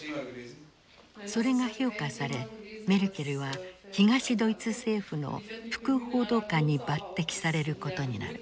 それが評価されメルケルは東ドイツ政府の副報道官に抜てきされることになる。